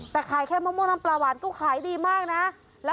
แต่ขายแค่มะม่วงน้ำปลาหวานก็ขายดีมากนะ